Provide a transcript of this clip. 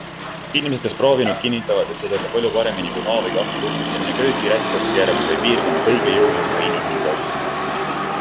Inimesed, kes proovinud, kinnitavad, et see töötab palju paremini kui noa või kahvliga urgitsemine, köögirätikuga keeramine või piirkonna kõige jõulisema inimhinge otsimine.